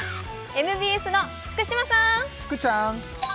ＭＢＳの福島さーん。